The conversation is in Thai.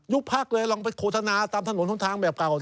พักเลยลองไปโฆษณาตามถนนของทางแบบเก่า